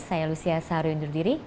saya lucia sahari undur diri